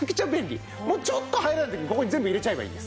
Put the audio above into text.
ちょっと入らない時ここに全部入れちゃえばいいんです。